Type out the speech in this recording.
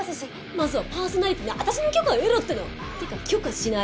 まずはパーソナリティーの私の許可を得ろっての！ってか許可しない。